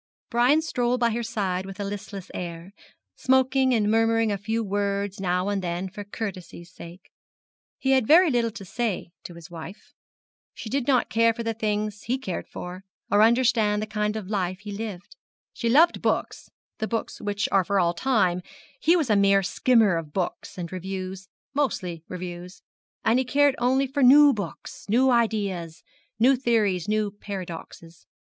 Brian strolled by her side with a listless air, smoking, and murmuring a few words now and then for courtesy's sake. He had very little to say to his wife. She did not care for the things he cared for, or understand the kind of life he lived. She loved books, the books which are for all time; he was a mere skimmer of books and reviews mostly reviews; and he cared only for new books, new ideas, new theories, new paradoxes.